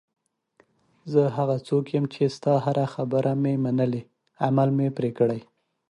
زه هغه څوک یم چې ستا هره خبره مې منلې، عمل مې پرې کړی.